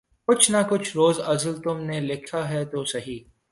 کچھ نہ کچھ روزِ ازل تم نے لکھا ہے تو سہی